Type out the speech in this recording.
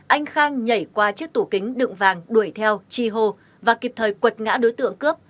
anh khang nhảy qua chiếc tủ kính đựng vàng đuổi theo chi hô và kịp thời quật ngã đối tượng cướp